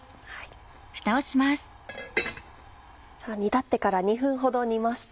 煮立ってから２分ほど煮ました。